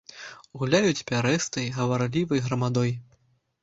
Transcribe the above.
Гуляюць пярэстай, гаварлівай грамадой.